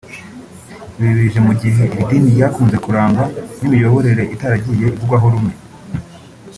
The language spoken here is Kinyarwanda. Ibi bije mu gihe iri dini ryakunze kurangwa n’imiyoborere itaragiye ivugwaho rumwe